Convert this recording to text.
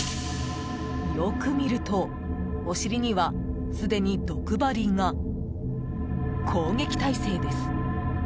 よく見るとお尻には、すでに毒針が。攻撃態勢です。